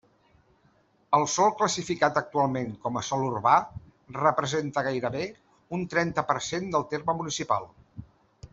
El sòl classificat actualment com a sòl urbà representa gairebé un trenta per cent del terme municipal.